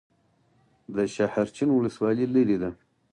د شاحرچین ولسوالۍ لیرې ده